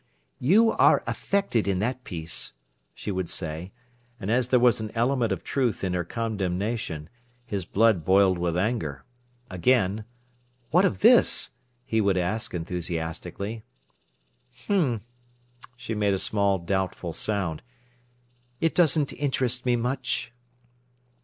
"You are affected in that piece," she would say; and, as there was an element of truth in her condemnation, his blood boiled with anger. Again: "What of this?" he would ask enthusiastically. "H'm!" She made a small doubtful sound. "It doesn't interest me much."